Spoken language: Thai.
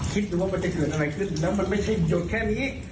หรือว่ามันจะเกิดอะไรขึ้นแล้วมันไม่ใช่จนแค่นี้